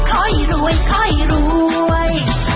นะคอยรวยคอยรวย